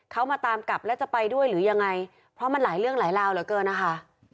เขามาตามกลับแล้วจะไปด้วยหรือยังไงเพราะมันหลายเรื่องหลายราวเหลือเกินนะคะ